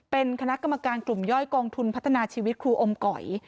เป็นคณะกรรมการกลุ่มย่อยกองทุนพัฒนาชีวิตครูอมก๋อย